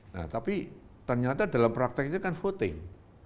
nah tapi ternyata dalam praktek itu kan voting